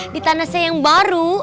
di tanah saya yang baru